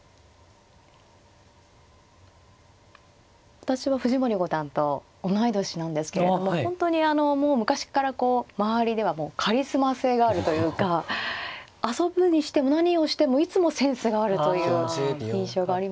私は藤森五段と同い年なんですけれども本当にあのもう昔っからこう周りではもうカリスマ性があるというか遊ぶにしても何をしてもいつもセンスがあるという印象がありますね。